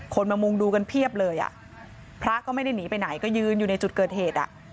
มามุงดูกันเพียบเลยอ่ะพระก็ไม่ได้หนีไปไหนก็ยืนอยู่ในจุดเกิดเหตุอ่ะ